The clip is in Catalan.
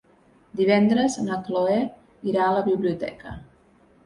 Divendres na Cloè irà a la biblioteca.